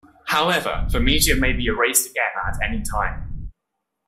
However, the media may be erased again at any time.